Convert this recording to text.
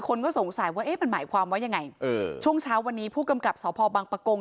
คนก็สงสัยว่าเอ๊ะมันหมายความว่ายังไงเออช่วงเช้าวันนี้ผู้กำกับสพบังปะกง